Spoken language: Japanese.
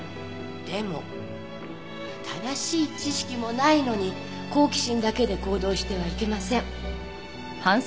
でも正しい知識もないのに好奇心だけで行動してはいけません。